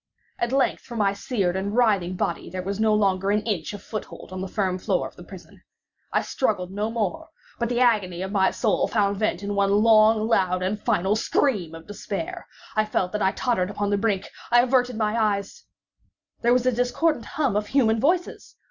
At length for my seared and writhing body there was no longer an inch of foothold on the firm floor of the prison. I struggled no more, but the agony of my soul found vent in one loud, long, and final scream of despair. I felt that I tottered upon the brink—I averted my eyes— There was a discordant hum of human voices!